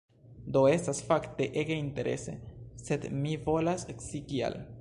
Do, estas fakte ege interese, sed mi volas scii kial?